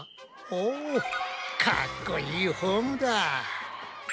おぉかっこいいフォームだ！